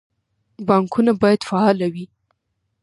بانکونه باید فعال وي